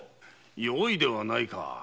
よいではないか。